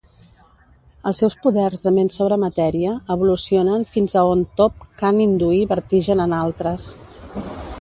Els seus poders de "ment-sobre-matèria" evolucionen fins a on Top can induir vertigen en altres.